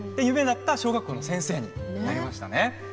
小学校の先生になりましたね。